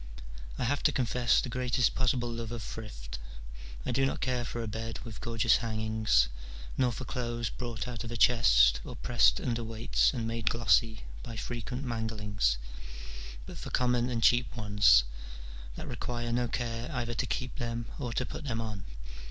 I have to confess the greatest possible love of thrift : I do not care for a bed with gorgeous hangings, nor for clothes brought out of a chest, or pressed under weights and made glossy by frequent manglings, but for common and cheap ones, that require no care either to keep them or to put them on.